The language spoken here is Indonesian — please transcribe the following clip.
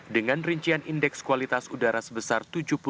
dengan rincian indeks kualitas udara sebesar tujuh puluh tujuh tiga puluh enam